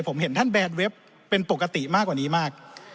ผมเห็นท่านแบนเว็บเป็นปกติมากกว่านี้มาก